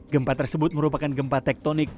gempa tersebut merupakan gempa tektonik